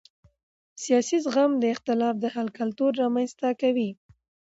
سیاسي زغم د اختلاف د حل کلتور رامنځته کوي